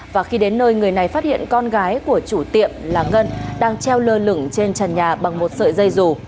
và khi đến nơi người này phát hiện con gái của chủ tiệm là ngân đang treo lơ lửng trên trần nhà bằng một sợi dây rù